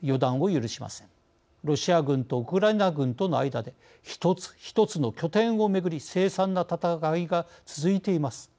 ロシア軍とウクライナ軍との間で一つ一つの拠点をめぐり凄惨な戦いが続いています。